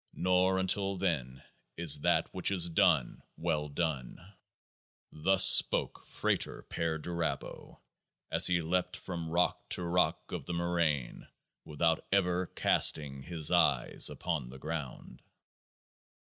Not until then is that which is done well done. Thus spoke FRATER PERDURABO as he leapt from rock to rock of the moraine without ever casting his eyes upon the ground.